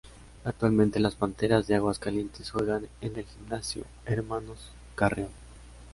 Actualmente las Panteras de Aguascalientes juegan en el gimnasio Hermanos Carreón.